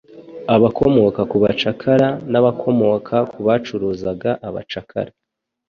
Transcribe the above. Abakomoka ku bacakara n'abakomoka ku bacuruzaga abacakara